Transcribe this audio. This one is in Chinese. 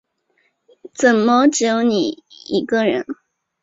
怎么只有你一个人